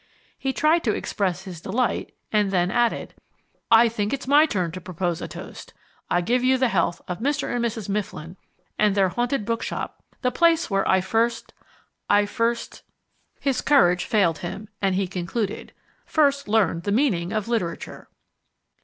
He tried to express his delight, and then added: "I think it's my turn to propose a toast. I give you the health of Mr. and Mrs. Mifflin, and their Haunted Bookshop, the place where I first I first " His courage failed him, and he concluded, "First learned the meaning of literature."